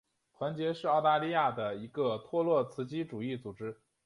团结是澳大利亚的一个托洛茨基主义组织。